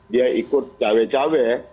dia ikut cawek cawek